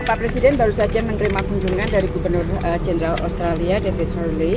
pak presiden baru saja menerima kunjungan dari gubernur jenderal australia david harley